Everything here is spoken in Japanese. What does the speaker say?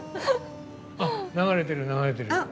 流れてる、流れてる。